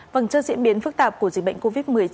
vằng chân diễn biến phức tạp của dịch bệnh covid một mươi chín